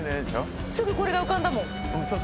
すぐこれが浮かんだもん。